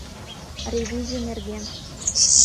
— Ревизий нерген...